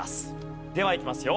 ではいきますよ。